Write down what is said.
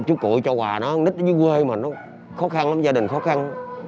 chú cụi cho quà nó nít nó dưới quê mà nó khó khăn lắm gia đình khó khăn